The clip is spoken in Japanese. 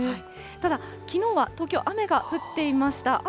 ただ、きのうは東京、雨が降っていました。